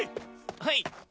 はい！